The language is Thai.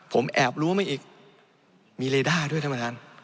ผมแอบรู้มาอีกมีเลด้าด้วยท่านประธาน